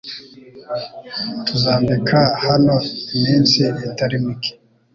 Tuzakambika hano iminsi itari mike